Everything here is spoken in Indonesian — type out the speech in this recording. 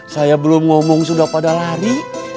saya belum ngomong sudah pada lari